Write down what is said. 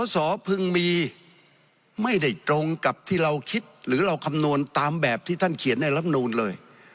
สพึงมีไม่ได้ตรงกับที่เราคิดหรือเราคำนวณตามแบบที่ท่านเขียนในลำนูลเลย